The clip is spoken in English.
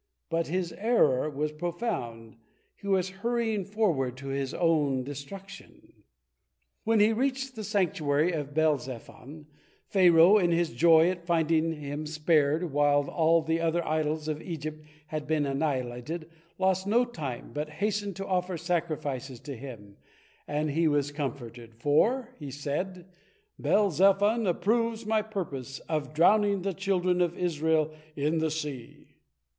But his error was profound he was hurrying forward to his own destruction. When he reached the sanctuary of Baal zephon, Pharaoh, in his joy at finding him spared while all the other idols in Egypt had been annihilated, lost no time, but hastened to offer sacrifices to him, and he was comforted, "for," he said, "Baal zephon approves my purpose of drowning the children of Israel in the sea."